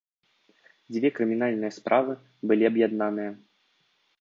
Дзве крымінальныя справы былі аб'яднаныя.